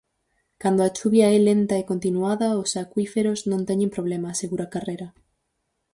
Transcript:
"Cando a chuvia é lenta e continuada, os acuíferos non teñen problema", asegura Carrera.